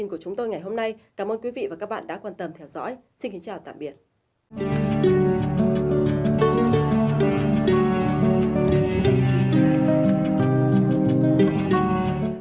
cảm ơn các bạn đã theo dõi và hẹn gặp lại